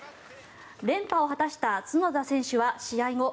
連覇を果たした角田選手は試合後